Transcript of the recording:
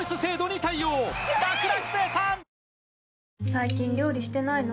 最近料理してないの？